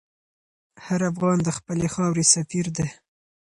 هر افغان د خپلې خاورې سفیر دی.